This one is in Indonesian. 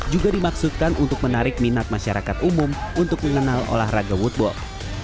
juga dimaksudkan untuk menarik minat masyarakat umum untuk mengenal olahraga woodball